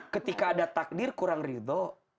ketika ada takdir kurang ridho